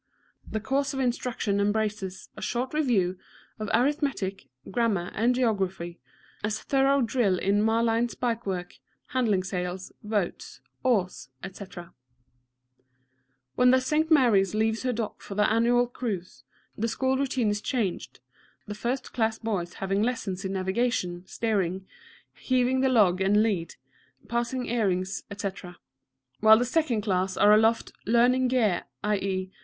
The course of instruction embraces a short review of arithmetic, grammar, and geography, a thorough drill in marline spikework, handling sails, boats, oars, etc. When the St. Mary's leaves her dock for the annual cruise, the school routine is changed, the first class boys having lessons in navigation, steering, heaving the log and lead, passing earings, etc., while the second class are aloft "learning gear," _i. e.